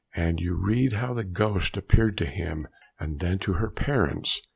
And you read how the ghost appeared to him and then to her parents.